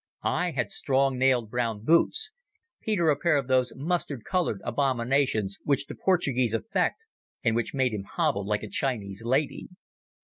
I had strong nailed brown boots, Peter a pair of those mustard coloured abominations which the Portuguese affect and which made him hobble like a Chinese lady.